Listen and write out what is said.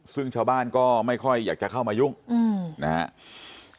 ซึ่งชาวบ้านก็ไม่ค่อยอยากจะเข้ามายุ่งนะครับ